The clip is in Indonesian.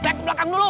sek belakang dulu